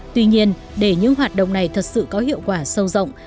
tuy nhiên để những hoạt động này thật sự có hiệu quả sâu rộng